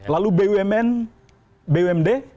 lalu bumn bumd